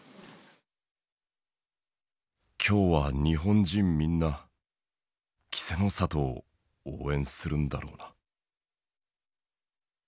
「今日は日本人みんなキセノ里を応援するんだろうな」。